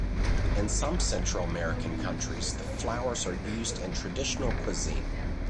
In some Central American countries the flowers are used in traditional cuisine.